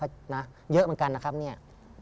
เยอะเหมือนกันนะครับนี่